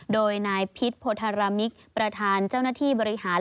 โดยนายพิษโพธารามิกประธานเจ้าหน้าที่บริหาร